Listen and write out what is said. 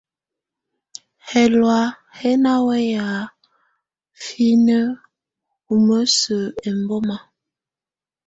Hɛlɔ̀á hɛ́ ná wɛya ǝ́finǝ́ ú mǝ́ǝ́sǝ́ ɛmbɔma.